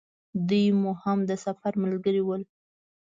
دوی مو هم د سفر ملګري ول.